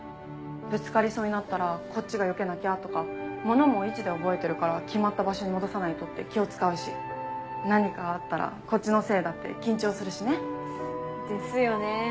ぶつかりそうになったらこっちがよけなきゃとか物も位置で覚えてるから決まった場所に戻さないとって気を使うし何かあったらこっちのせいだって緊張するしね。ですよね。